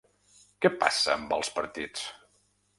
Què passa amb els partits?